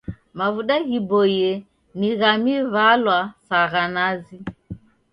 Mavuda ghiboie ni gha miw'alwa sa gha nazi.